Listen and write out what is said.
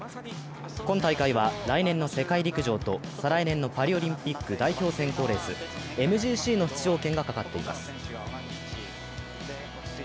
今大会は、来年の世界陸上と再来年のパリオリンピック代表選考レース、ＭＧＣの出場権がかかっています。